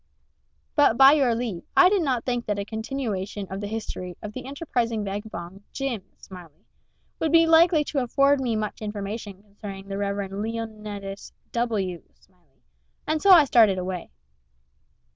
But, by your leave, I did not think that a continuation of the history of the enterprising vagabond Jim Smiley would be likely to afford me much information concerning the Reverend Leonidas W. Smiley, and so I started away.